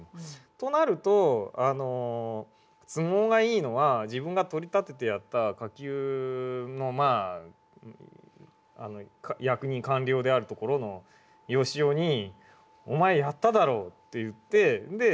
となると都合がいいのは自分が取り立ててやった下級の役人官僚であるところの善男に「お前やっただろ」って言って落とし前をつけると。